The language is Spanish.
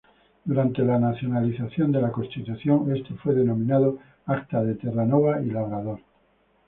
Durante la nacionalización de la Constitución, este fue denominado "Acta de Terranova y Labrador".